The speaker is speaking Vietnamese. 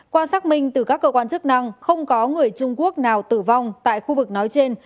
qua xác minh từ các cơ quan chức năng không có người trung quốc nào tử vong tại khu vực nói trên